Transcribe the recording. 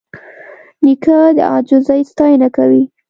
نیکه د عاجزۍ ستاینه کوي.